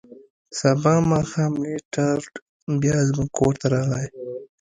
سبا ماښام لیسټرډ بیا زموږ کور ته راغی.